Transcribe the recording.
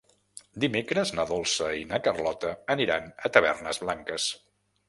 Dimecres na Dolça i na Carlota aniran a Tavernes Blanques.